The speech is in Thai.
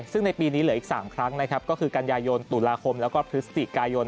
ซึ่งในปีนี้เหลืออีก๓ครั้งนะครับก็คือกันยายนตุลาคมแล้วก็พฤศจิกายน